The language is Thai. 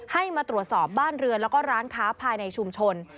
ให้มาตรวจสอบบ้านเรือนแล้วก็ร้านค้าภายในชุมชน